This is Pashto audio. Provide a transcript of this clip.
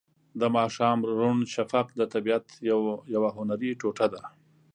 د ماښام روڼ شفق د طبیعت یوه هنري ټوټه ده.